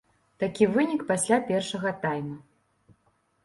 Такі вынік пасля першага тайма.